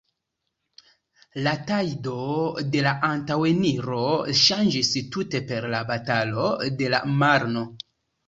La tajdo de la antaŭeniro ŝanĝis tute per la Batalo de la Marno.